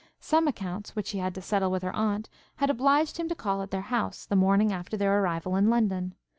Some accounts which he had to settle with her aunt, had obliged him to call at their house, the morning after their arrival in London.